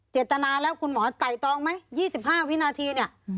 เจตนาแล้วคุณหมอไต่ตองไหม๒๕วินาทีเนี่ย